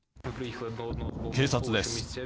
警察です。